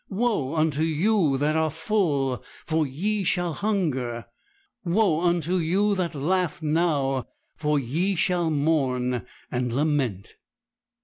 Woe unto you that are full! for ye shall hunger. Woe unto you that laugh now! for ye shall mourn and lament."'